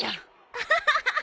アハハハ。